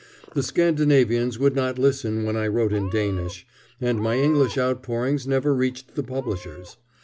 The Scandinavians would not listen when I wrote in Danish, and my English outpourings never reached the publishers.